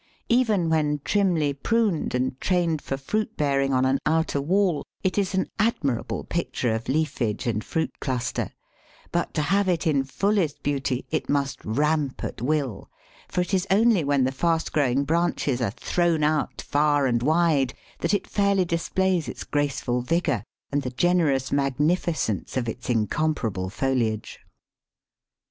Even when trimly pruned and trained for fruit bearing on an outer wall it is an admirable picture of leafage and fruit cluster; but to have it in fullest beauty it must ramp at will, for it is only when the fast growing branches are thrown out far and wide that it fairly displays its graceful vigour and the generous magnificence of its incomparable foliage.